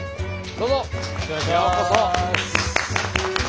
どうぞようこそ。